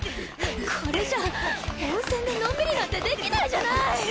これじゃあ温泉でのんびりなんてできないじゃない！